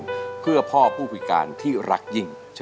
มาพบกับแก้วตานะครับนักสู้รุ่นจี๊วแห่งแดนอิสานสู้ชีวิตสู้งาน